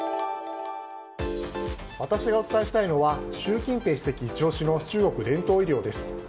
私がお伝えしたいのは習近平主席イチ押しの中国の伝統医療です。